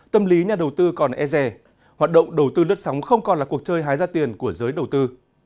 tâm lý nhà đầu tư còn e rè hoạt động đầu tư lướt sóng không còn là cuộc chơi hái ra tiền của giới đầu tư